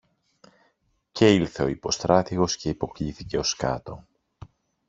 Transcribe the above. Και ήλθε ο υποστράτηγος και υποκλίθηκε ως κάτω.